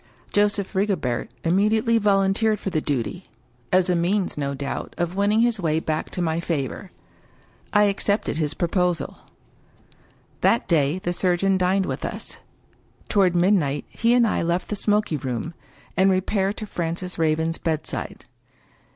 Joseph Rigobert immediately volunteered for the duty — as a means, no 260 WUkie Collins doubt, of winning his way back to my favor. I accepted his proposal. That day the surgeon dined with us. Toward midnight he and I left the smoking room, and repaired to Francis Raven's bedside.